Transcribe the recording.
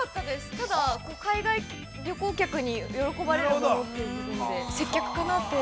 ただ、海外旅行客に喜ばれるものという部分で接客かなって。